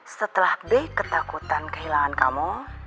setelah b ketakutan kehilangan kamu